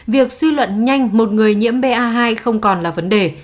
việc suy luận nhanh một người nhiễm ba hai không còn là vấn đề